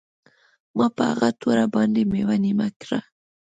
ما په هغه توره باندې میوه نیمه کړه